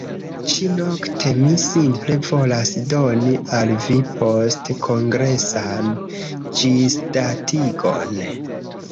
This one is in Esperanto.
Ĉi-nokte mi simple volas doni al vi postkongresan ĝisdatigon